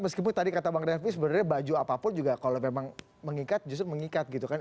meskipun tadi kata bang refli sebenarnya baju apapun juga kalau memang mengikat justru mengikat gitu kan